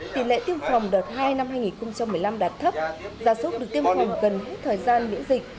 tỷ lệ tiêm phòng đợt hai năm hai nghìn một mươi năm đạt thấp gia súc được tiêm phòng gần hết thời gian miễn dịch